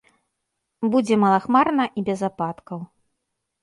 Будзе малахмарна і без ападкаў.